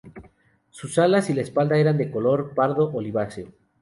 Sus alas y la espalda eran de color pardo oliváceo.